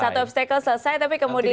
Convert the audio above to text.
satu obstacle selesai tapi kemudian